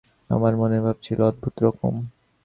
আমার মনের ভাব ছিল অদ্ভুত রকম।